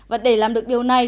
và để làm được điều này